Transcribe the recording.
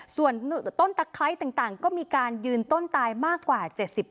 ส่วนต้นตะไคร้ต่างก็มีการยืนต้นตายมากกว่า๗๐